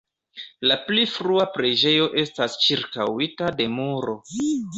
La pli frua preĝejo estas ĉirkaŭita de muro.